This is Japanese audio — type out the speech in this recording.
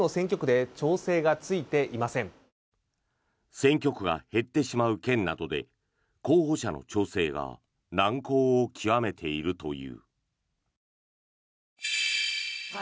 選挙区が減ってしまう県などで候補者の調整が難航を極めているという。